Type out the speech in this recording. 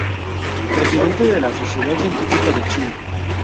Presidente de la Sociedad Científica de Chile.